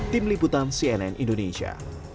tim liputan cnn indonesia